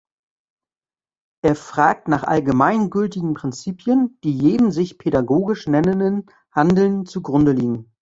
Er fragt nach allgemeingültigen Prinzipien, die jedem sich pädagogisch nennenden Handeln zu Grunde liegen.